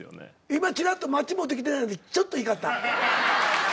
今ちらっとマッチ持ってきてないのにちょっと怒った。